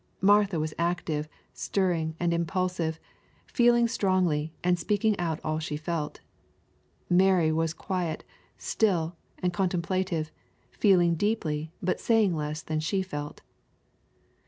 Martha was active, stirring, and impulsive, feeling strongly, and speaking out all she felt. Madhl^^^^ was quiet, still, and contemplative, feeling deeply, but saying less than she felt.